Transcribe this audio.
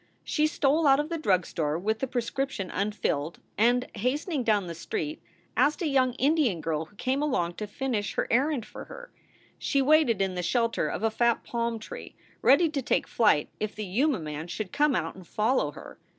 She stole out of the drug store with the prescription un filled and, hastening down the street, asked a young Indian girl who came along to finish her errand for her. She waited in the shelter of a fat palm tree, ready to take flight if the Yuma man should come out and follow her.